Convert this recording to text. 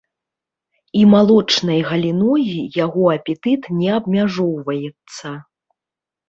І малочнай галіной яго апетыт не абмяжоўваецца.